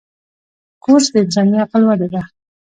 کورس د انساني عقل وده ده.